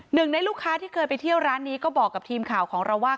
หนึ่งในลูกค้าที่เคยไปเที่ยวร้านนี้ก็บอกกับทีมข่าวของเราว่า